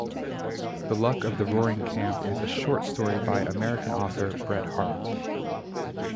"The Luck of Roaring Camp" is a short story by American author Bret Harte.